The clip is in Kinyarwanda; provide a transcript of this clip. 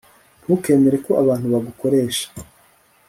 ntukemere ko abantu bagukoresha